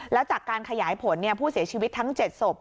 แล้วจากการขยายผลผู้เสียชีวิตทั้ง๗ศพ